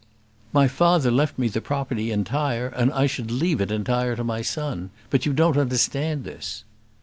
"My father left me the property entire, and I should leave it entire to my son; but you don't understand this."